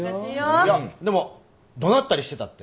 いやでも怒鳴ったりしてたって。